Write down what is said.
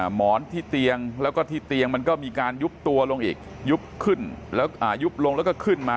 หมอนที่เตียงแล้วก็ที่เตียงมันก็มีการยุบตัวลงอีกยุบขึ้นแล้วยุบลงแล้วก็ขึ้นมา